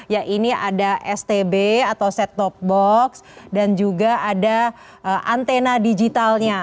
ya ini ada stb atau set top box dan juga ada antena digitalnya